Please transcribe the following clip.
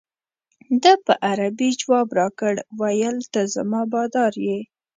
ده په عربي جواب راکړ ویل ته زما بادار یې.